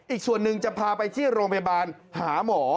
อีกส่วนหนึ่งจะพาไปที่โรงพยาบาลหาหมอ